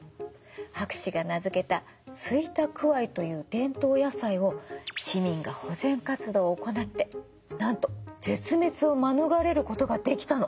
博士が名付けたスイタクワイという伝統野菜を市民が保全活動を行ってなんと絶滅を免れることができたの。